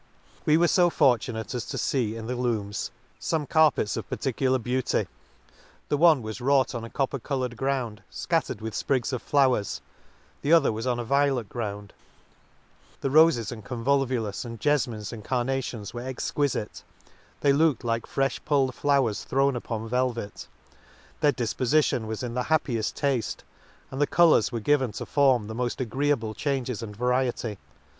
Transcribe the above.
— We were fo for * H 2 tunate 60 An Excursion to tunate as to fee in the looms fome carpets of peculiar beauty ; the one was wrought on a copper coloured ground, fcattered with fprigs of flowers ; the other was on a vio let ground ;— the rofes and convolvulus, the jefmines and carnations, were exqui lite ;— they looked like freih pulled flowers thrown \ipon velvet ; their difpofition was in the happieft tafte, and the colours were given to form the moft agreeable changes and variety.